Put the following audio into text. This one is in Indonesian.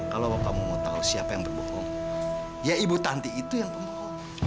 kalau bapakmu mau tahu siapa yang berhubung ya ibu tanti itu yang tunggu